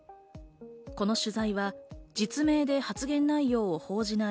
この取材は実名で発言内容を報じない